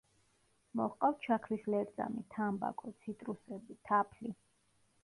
მოჰყავთ შაქრის ლერწამი, თამბაქო, ციტრუსები, თაფლი.